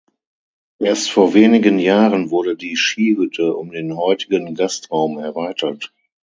Erst vor wenigen Jahren wurde die Skihütte um den heutigen Gastraum erweitert.